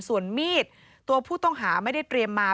ส่วนมีดตัวผู้ต้องหาไม่ได้เตรียมมา